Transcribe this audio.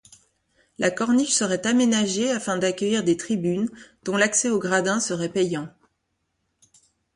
La Corniche serait aménagée afin d'accueillir des tribunes dont l'accès aux gradins serait payant.